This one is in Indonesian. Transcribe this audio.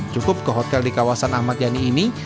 cukup ke hotel di kawasan ahmad yani ini